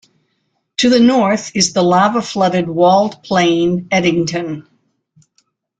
To the north is the lava-flooded walled plain Eddington.